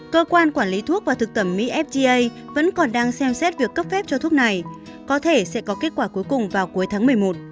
cơ quan quản lý thuốc và thực phẩm mỹ fda vẫn còn đang xem xét việc cấp phép cho thuốc này có thể sẽ có kết quả cuối cùng vào cuối tháng một mươi một